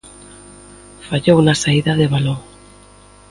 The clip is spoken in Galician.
Fallou na saída de balón.